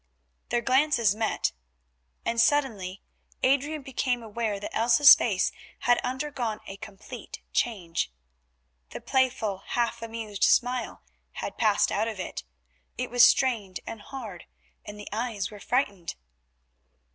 Their glances met, and suddenly Adrian became aware that Elsa's face had undergone a complete change. The piquante, half amused smile had passed out of it; it was strained and hard and the eyes were frightened.